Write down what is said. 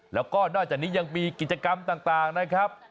แล้วก็นอกจากนี้ยังมีกิจกรรมต่างนะครับ